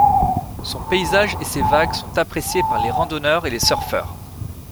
Son paysage et ses vagues sont appréciés par les randonneurs et les surfeurs.